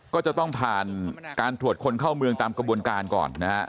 ก็จะต้องผ่านการตรวจคนเข้าเมืองตามกระบวนการก่อนนะฮะ